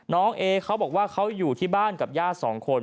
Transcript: น้องเอเขาบอกว่าเขาอยู่ที่บ้านกับญาติสองคน